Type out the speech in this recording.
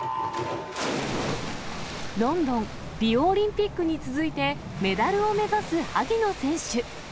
ロンドン、リオオリンピックに続いて、メダルを目指す萩野選手。